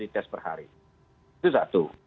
tes per hari itu satu